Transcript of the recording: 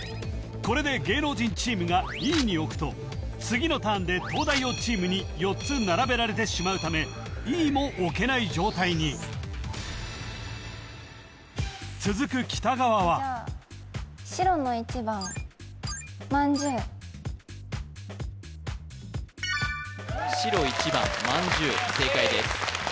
これで芸能人チームがＥに置くと次のターンで東大王チームに４つ並べられてしまうためＥも置けない状態に続く北川は白１番まんじゅう正解です